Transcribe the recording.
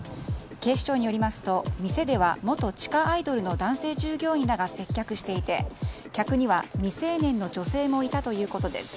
警視庁によりますと店では元地下アイドルの男性従業員らが接客していて客には未成年の女性もいたということです。